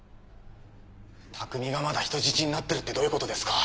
卓海がまだ人質になってるってどういう事ですか？